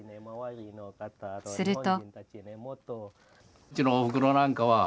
すると。